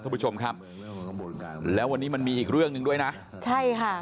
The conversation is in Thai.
คุณผู้ชมครับแล้ววันนี้มันมีอีกเรื่องหนึ่งด้วยนะใช่ค่ะ